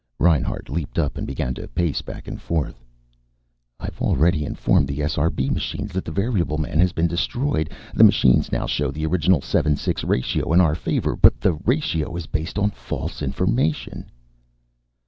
Reinhart leaped up and began to pace back and forth. "I've already informed the SRB machines that the variable man has been destroyed. The machines now show the original 7 6 ratio in our favor. But the ratio is based on false information."